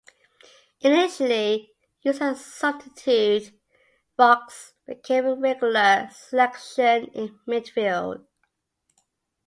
Initially used as a substitute, Fox became a regular selection in midfield.